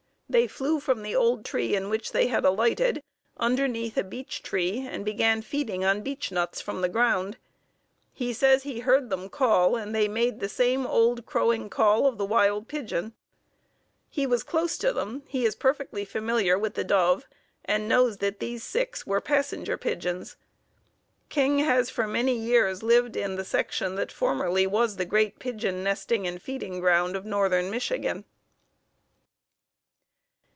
They flew from the old tree in which they had alighted, underneath a beech tree and began feeding on beech nuts from the ground. He says he heard them call and they made the same old crowing call of the wild pigeon. He was close to them; he is perfectly familiar with the dove and knows that these six were Passenger Pigeons. King has for many years lived in the section that formerly was the great pigeon nesting and feeding ground of northern Michigan.